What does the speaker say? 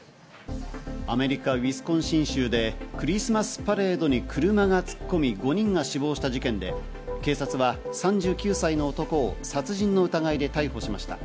アメリカ・ウィスコンシン州でクリスマスパレードに車が突っ込み５人が死亡した事件で、警察は３９歳の男を殺人の疑いで逮捕しました。